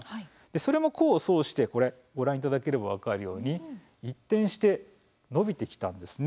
それも功を奏して、これご覧いただければ分かるように一転して伸びてきたんですね。